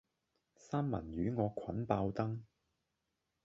三文魚惡菌爆燈